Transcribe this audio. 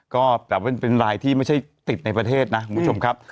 ก็แต่ว่าเป็นรายที่ไม่ใช่ติดในประเทศนะคุณผู้ชมครับ